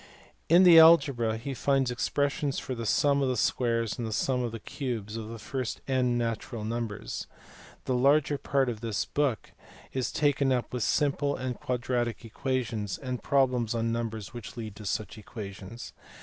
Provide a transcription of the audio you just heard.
In the algebra lie finds expressions for the sum of the squares and the sum of the cubes of the first n natural numbers. The larger part of this part of the book is taken up with simple and quadratic equations, and problems on numbers which lead to such equations.